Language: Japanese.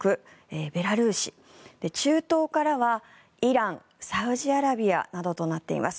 ベラルーシ中東からはイラン、サウジアラビアなどとなっています。